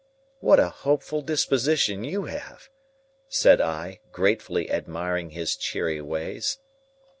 "What a hopeful disposition you have!" said I, gratefully admiring his cheery ways.